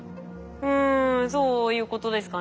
うんそういうことですかね？